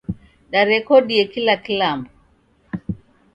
Darekodie kila kilambo.